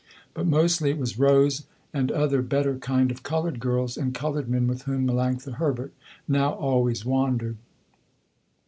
But mostly it was Rose and other better kind of colored girls and colored men with whom Melanctha Herbert now always wandered.